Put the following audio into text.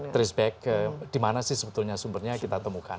trace back di mana sih sebetulnya sumbernya kita temukan